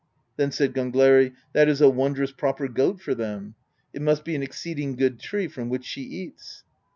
Then said Gangleri: "That is a wondrous proper goat for them ; it must be an exceeding good tree from which she eats."